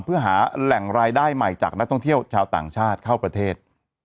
เพื่อหาแหล่งรายได้ใหม่จากนักท่องเที่ยวชาวต่างชาติเข้าประเทศ